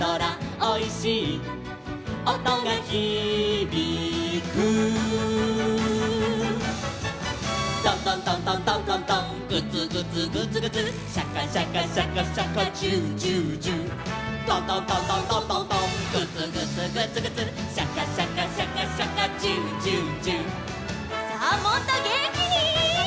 「おいしいおとがひびく」「トントントントントントントン」「グツグツグツグツシャカシャカシャカシャカ」「ジュージュージュー」「トントントントントントントン」「グツグツグツグツシャカシャカシャカシャカ」「ジュージュージュー」さあもっとげんきに！